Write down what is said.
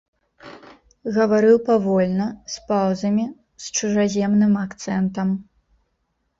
Гаварыў павольна, з паўзамі, з чужаземным акцэнтам.